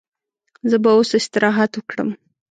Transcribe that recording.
زه به اوس استراحت وکړم.